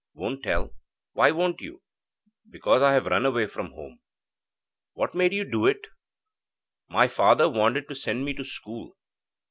'Won't tell.' 'Why won't you?' 'Because I have run away from home.' 'What made you do it?' 'My father wanted to send me to school.'